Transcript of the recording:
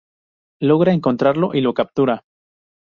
Logra encontrarlo y lo captura.